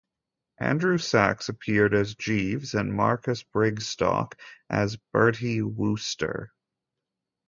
Andrew Sachs appeared as Jeeves and Marcus Brigstocke as Bertie Wooster.